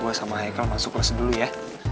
gue sama haikal masuk kelas dulu ya